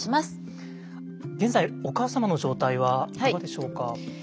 現在お母様の状態はいかがでしょうか？